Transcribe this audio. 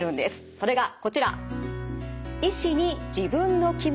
それがこちら。